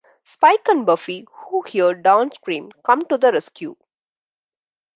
Spike and Buffy, who heard Dawn scream, come to the rescue.